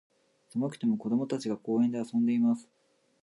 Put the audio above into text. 寒くても、子供たちが、公園で遊んでいます。